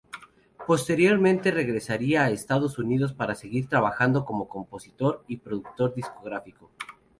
Posteriormente regresaría a Estados Unidos para seguir trabajando como compositor y productor discográfico.